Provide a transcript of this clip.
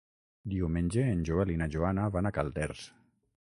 Diumenge en Joel i na Joana van a Calders.